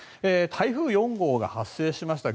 台風４号が発生しました。